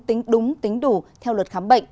tính đúng tính đủ theo luật khám bệnh